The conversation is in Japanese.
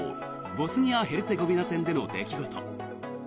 ボスニア・ヘルツェゴビナ戦での出来事。